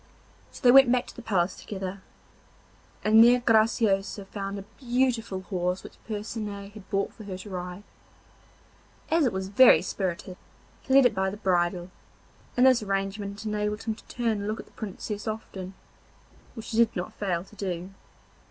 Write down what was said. So they went back to the palace together, and there Graciosa found a beautiful horse which Percinet had brought for her to ride. As it was very spirited he led it by the bridle, and this arrangement enabled him to turn and look at the Princess often, which he did not fail to do.